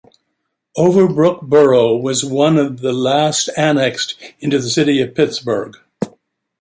Overbrook Borough was one of the last annexed into the City of Pittsburgh.